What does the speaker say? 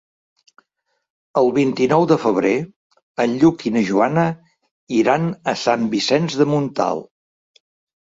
El vint-i-nou de febrer en Lluc i na Joana iran a Sant Vicenç de Montalt.